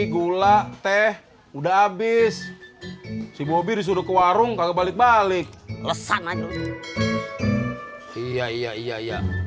gula teh udah habis si bobby sudah ke warung kalau balik balik lesan aja iya iya iya iya